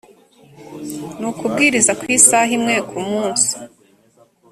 ni ukubwiriza ku isaha imwe ku munsi